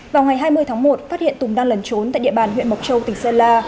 vào ngày hai mươi tháng một phát hiện tùng đang lần trốn tại địa bàn huyện mộc châu tỉnh sơn la